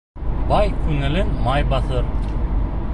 Бай күңелен май баҫыр.